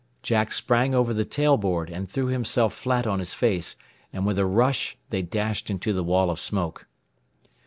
Jack sprang over the tail board and threw himself flat on his face, and with a rush they dashed into the wall of smoke.